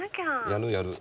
やるやる。